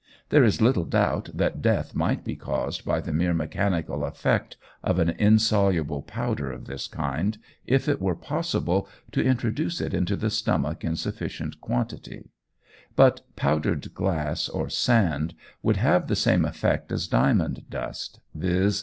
There is little doubt that death might be caused by the mere mechanical effect of an insoluble powder of this kind, if it were possible to introduce it into the stomach in sufficient quantity, but powdered glass or sand would have the same effect as diamond dust, viz.